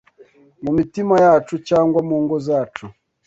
mu mitima yacu cyangwa mu ngo zacu